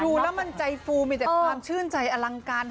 ดูแล้วมันใจฟูมีแต่ความชื่นใจอลังการ